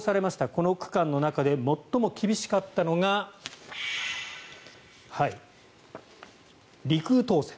この区間の中で最も厳しかったのが陸羽東線。